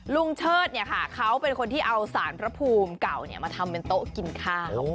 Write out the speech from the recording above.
เชิดเขาเป็นคนที่เอาสารพระภูมิเก่ามาทำเป็นโต๊ะกินข้าว